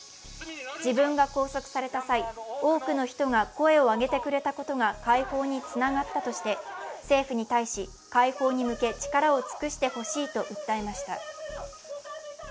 自分が拘束された際、多くの人が声を上げてくれたことが解放につながったとして政府に対し解放に向け力を尽くしてほしいと訴えました。